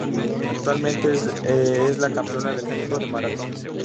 Actualmente es la campeona del mundo de maratón.